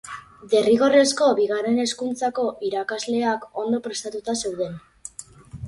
Derrigorrezko Bigarren Hezkuntzako irakasleak ondo prestatuta zeuden.